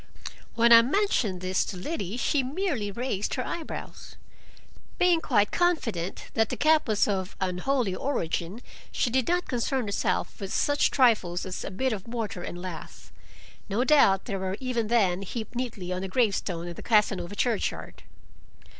When I mentioned this to Liddy she merely raised her eyebrows. Being quite confident that the gap was of unholy origin, she did not concern herself with such trifles as a bit of mortar and lath. No doubt they were even then heaped neatly on a gravestone in the Casanova churchyard!